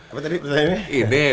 apa tadi pertanyaannya